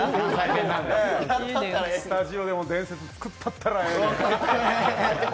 スタジオでも伝説作ったったらええねん。